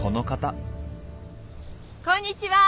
こんにちは！